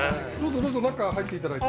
そうぞ中入っていただいて。